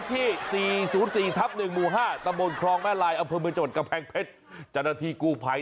รู้รู้ดีไหมอันไหนงูอันไหนสายผาญ